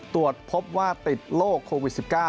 ตรวจพบว่าติดโรคโควิด๑๙